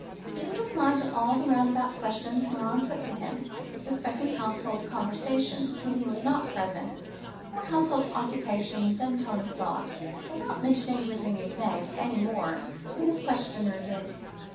He would reply to all the roundabout questions Morin put to him respecting household conversations when he was not present, or household occupations and tone of thought, without mentioning Virginie's name any more than his questioner did.